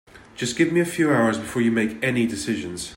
Just give me a few hours before you make any decisions.